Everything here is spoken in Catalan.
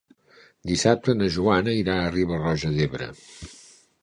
Dissabte na Joana irà a Riba-roja d'Ebre.